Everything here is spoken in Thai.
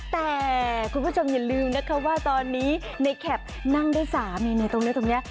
แต่คุณผู้ชมอย่าลืมนะคะว่าตอนนี้ในแคปนั่งได้สามีในตรงนี้ตรงนี้